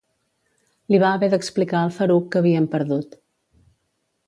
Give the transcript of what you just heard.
Li va haver d'explicar al Farouk que havíem perdut.